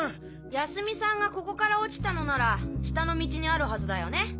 泰美さんがここから落ちたのなら下の道にあるはずだよね？